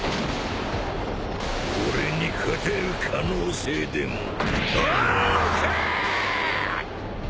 俺に勝てる可能性でもあんのかぁ！？